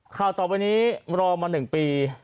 ข่าวต่อไปนี้รอมา๑ปี